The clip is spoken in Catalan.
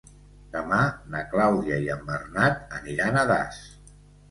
Demà na Clàudia i en Bernat aniran a Das.